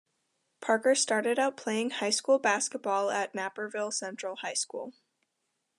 Parker started out playing high school basketball at Naperville Central High School.